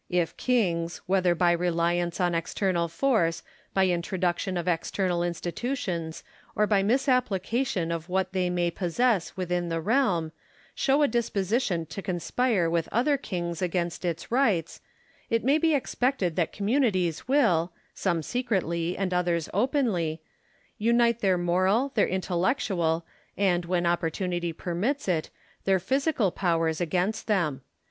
If kings, whether by reliance on external force, by introduction of external institutions, or by misapplication of what they may possess within the realm, show a disposition to conspire with other kings against its rights, it may be expected that communities will (some secretly and others openly) unite their moral, their intellectual, and, when opportunity permits it, tlieir physical powers against them.